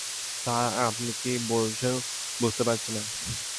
Sir, আপনি কি বলছেন বুঝতে পারছি না।